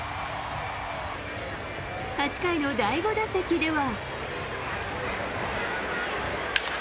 ８回の第５打席では。